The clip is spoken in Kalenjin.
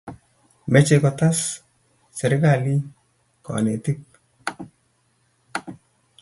Mechei kutes serikalit konetik